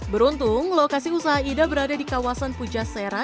beruntung lokasi usaha ida berada di kawasan pujasera